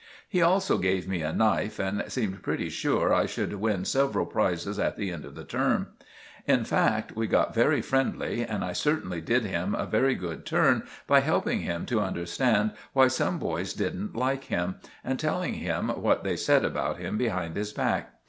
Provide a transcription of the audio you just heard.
He also gave me a knife and seemed pretty sure I should win several prizes at the end of the term. In fact, we got very friendly and I certainly did him a very good turn by helping him to understand why some boys didn't like him, and telling him what they said about him behind his back.